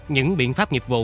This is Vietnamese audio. những biện pháp nhiệm vụ